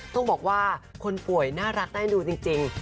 ต้องบอกว่าคนป่วยน่ารักได้ดูจริง